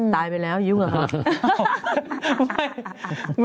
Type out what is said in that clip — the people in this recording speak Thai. ตายไปแล้วยุ่งเหรอครับ